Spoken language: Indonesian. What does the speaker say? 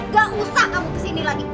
gak usah kamu kesini lagi